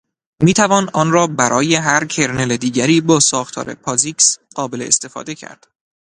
میتوان آن را برای هر کرنل دیگری با ساختار پازیکس قابل استفاده کرد